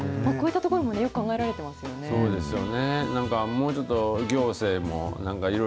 こういったところもよく考えられてますよね。